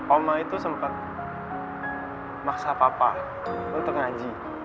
oma itu sempat maksa papa untuk ngaji